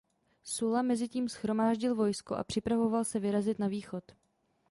Sulla mezitím shromáždil vojsko a připravoval se vyrazit na východ.